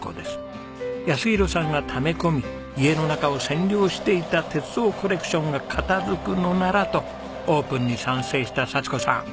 泰弘さんがため込み家の中を占領していた鉄道コレクションが片付くのならとオープンに賛成した佐智子さん。